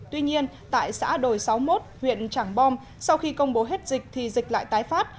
tuy nhiên tại xã đồi sáu mươi một huyện trảng bom sau khi công bố hết dịch thì dịch lại tái phát